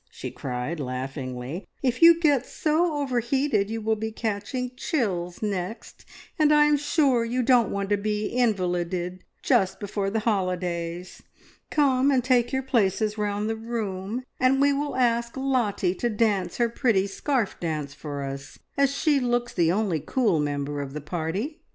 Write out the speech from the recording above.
she cried laughingly. "If you get so overheated, you will be catching chills next, and I am sure you don't want to be invalided just before the holidays. Come and take your places round the room, and we will ask Lottie to dance her pretty scarf dance for us, as she looks the only cool member of the party.